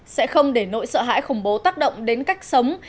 sẽ không để nỗi sợ hãi khủng bố tác động đến cách sống